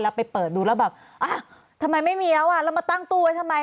แล้วไปเปิดดูแล้วแบบอ่ะทำไมไม่มีแล้วอ่ะแล้วมาตั้งตู้ไว้ทำไม